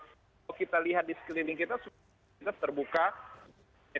kalau kita lihat di sekeliling kita terbuka